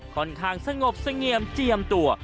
ค่อนข้างสงบเสงี่ยมเจียมตัว